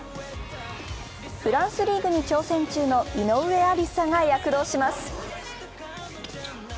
フランスリーグに挑戦中の井上愛里沙が躍動します。